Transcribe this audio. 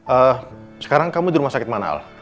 eh sekarang kamu di rumah sakit mana al